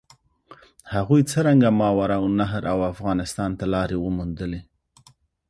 هغوی څرنګه ماورالنهر او افغانستان ته لارې وموندلې؟